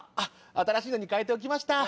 新しいのに替えておきました。